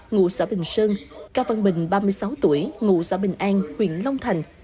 ngụ xã bình sơn cao văn bình ba mươi sáu tuổi ngụ xã bình an huyện long thành